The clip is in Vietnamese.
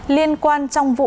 liên quan trong vụ án